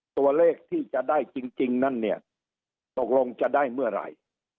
ตัวเลขที่จะได้จริงนั้นเนี่ยตกลงจะได้เมื่อไหร่